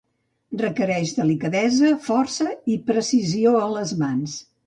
requereix delicadesa, força i precisió a les mans